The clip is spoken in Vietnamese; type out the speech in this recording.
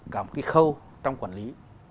cả một cái khâu trong quản lý